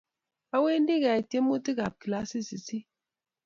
Awendi kiyai twemutik ab kilasit sisit